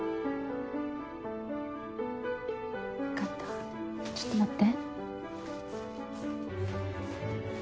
分かったちょっと待って。